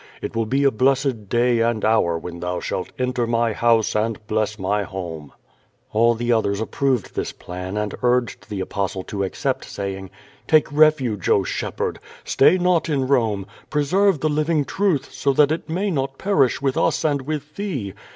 It will be a blessed day and hour when thou shalt enter my house and bless my home/' 488 Q^O VADI8. All the others approved this plan and nrged the Apostle to accept, saying: Take refuge, oh. Shepherd. Stay not in Rome. Preserve the living truth, so that it may not perish with us and with thee.